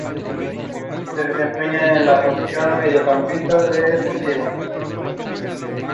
Entre los premios que obtuvo a lo largo de su carrera figuran la